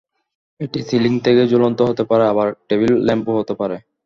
এটি সিলিং থেকে ঝুলন্ত হতে পারে, আবার টেবিল ল্যাম্পও হতে পারে।